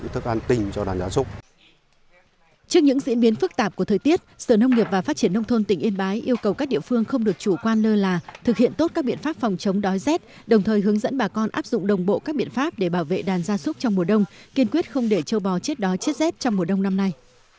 trước những diễn biến phức tạp của thời tiết sở nông nghiệp và phát triển nông thôn tỉnh yên bái yêu cầu các địa phương không được chủ quan lơ là thực hiện tốt các biện pháp phòng chống đói rét đồng thời hướng dẫn bà con áp dụng đồng bộ các biện pháp để bảo vệ đàn gia súc trong mùa đông kiên quyết không để châu bò chết đói chết rét trong mùa đông năm nay